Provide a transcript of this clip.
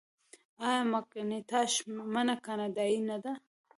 آیا مکینټاش مڼه کاناډايي نه ده؟